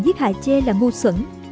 giết hại che là ngu xuẩn